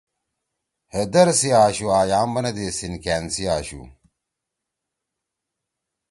ہے در سی آشُو آں یام بنَدی سیِنکأن سی آشُو۔